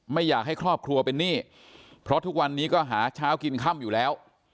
ไม่อยากให้ครอบครัวเป็นหนี้เพราะทุกวันนี้ก็หาเช้ากินค่ำอยู่แล้ว